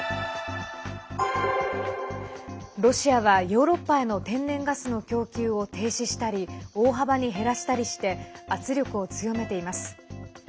ロシアはヨーロッパへの天然ガスの供給を停止したり大幅に減らしたりして圧力を強めています。